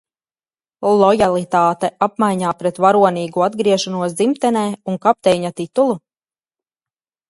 Lojalitāte apmaiņā pret varonīgu atgriešanos dzimtenē un kapteiņa titulu?